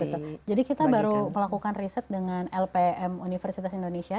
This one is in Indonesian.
betul jadi kita baru melakukan riset dengan lpm universitas indonesia